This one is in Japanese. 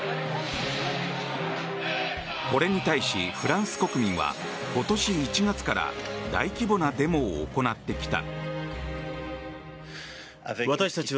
これに対し、フランス国民は今年１月から大規模なデモを行ってきた。